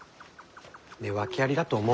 ねえ訳ありだと思う？